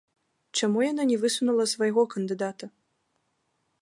Чаму яна не высунула свайго кандыдата?